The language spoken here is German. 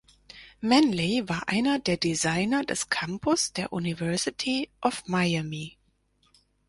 Manley war einer der Designer des Campus der University of Miami.